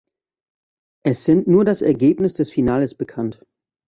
Es sind nur das Ergebnis des Finales bekannt.